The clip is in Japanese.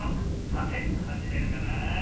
さてはじめるかなあ。